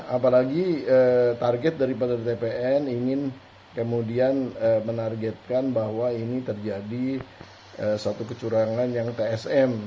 apalagi target daripada tpn ingin kemudian menargetkan bahwa ini terjadi suatu kecurangan yang tsm